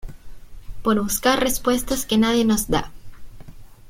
por buscar respuestas que nadie nos da.